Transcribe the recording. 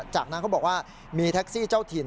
จากนั้นเขาบอกว่ามีแท็กซี่เจ้าถิ่น